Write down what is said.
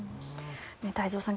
太蔵さん